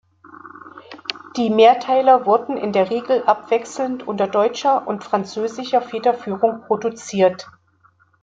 Die Mehrteiler wurden in der Regel abwechselnd unter deutscher und französischer Federführung produziert.